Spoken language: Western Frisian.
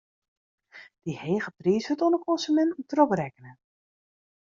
Dy hege priis wurdt oan de konsuminten trochberekkene.